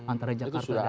antara jakarta dan papua